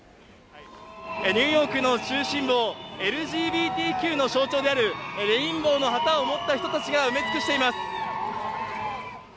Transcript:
ニューヨークの中心部をＬＧＢＴＱの象徴であるレインボーの旗を持った人が埋め尽くしています。